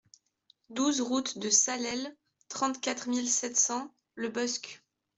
douze route de Salelles, trente-quatre mille sept cents Le Bosc